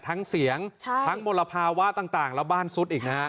ทั้งเสียงทั้งมลภาวะต่างและบ้านซุดอีกนะ